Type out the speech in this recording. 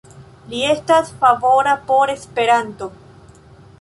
Li estas favora por Esperanto.